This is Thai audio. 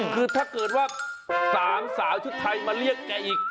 คือถ้าเกิดว่า๓สาวชุดไทยมาเรียกแกอีก